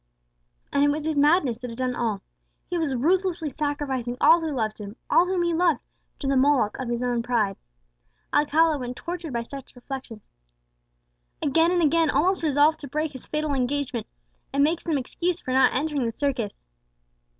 And it was his madness that had done all. He was ruthlessly sacrificing all who loved him, all whom he loved, to the Moloch of his own pride! Alcala, when tortured by such reflections, again and again almost resolved to break his fatal engagement, and make some excuse for not entering the circus.